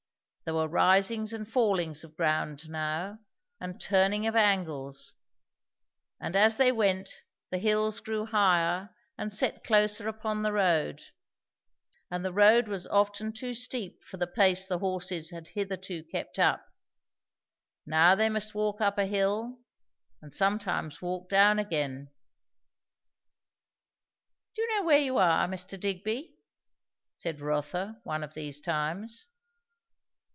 There were risings and fallings of ground now, and turning of angles; and as they went the hills grew higher and set closer upon the road, and the road was often too steep for the pace the horses had hitherto kept up. Now they must walk up a hill, and sometimes walk down again. "Do you know where you are, Mr. Digby?" said Rotha, one of these times.